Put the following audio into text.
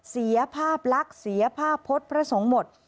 เสียภาพลักษณ์เสียภาพพจน์พระสงฆ์หมด